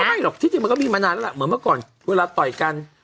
ไม่หรอกที่จริงมันก็มีมานานแล้วล่ะเหมือนเมื่อก่อนเวลาต่อยกัน